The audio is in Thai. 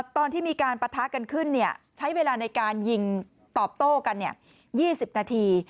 ตอนที่มีการปะทะกันขึ้นใช้เวลาในการยิงตอบโต้กัน๒๐นาที